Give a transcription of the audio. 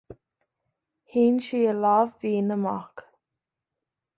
Shín sí a lámh mhín amach.